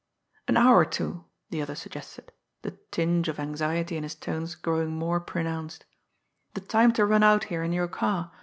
"An hour or two," the other suggested the tinge of anxiety in his tones growing more pronounced. "The time to run out here in your car.